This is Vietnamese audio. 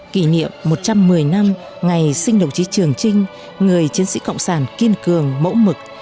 kỷ niệm một trăm một mươi năm ngày sinh đồng chí trường trinh người chiến sĩ cộng sản kiên cường mẫu mực